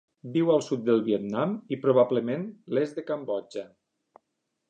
Viu al sud del Vietnam i, probablement, l'est de Cambodja.